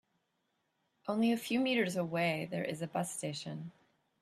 Only a few meters away there is a bus station.